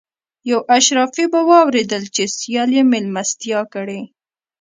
یو اشرافي به واورېدل چې سیال یې مېلمستیا کړې.